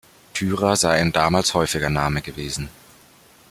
Thyra sei ein damals häufiger Name gewesen.